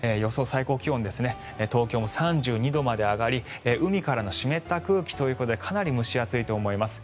最高気温東京も３２度まで上がり海からの湿った空気ということでかなり蒸し暑いと思います。